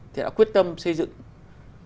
thì đã quyết tâm xây dựng trung tâm vũ trụ việt nam